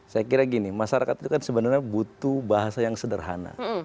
saya kira gini masyarakat itu kan sebenarnya butuh bahasa yang sederhana